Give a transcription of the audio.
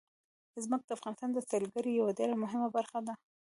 ځمکه د افغانستان د سیلګرۍ یوه ډېره مهمه برخه ده.